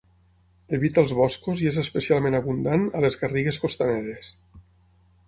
Evita els boscos i és especialment abundant a les garrigues costaneres.